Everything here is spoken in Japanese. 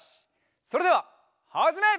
それでははじめ！